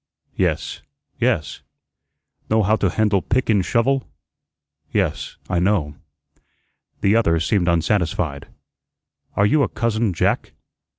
"Yes, yes." "Know how to hendle pick'n shov'le?" "Yes, I know." The other seemed unsatisfied. "Are you a 'cousin Jack'?"